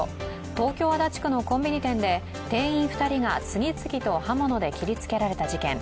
東京・足立区のコンビニ店で店員２人が次々と刃物で切りつけられた事件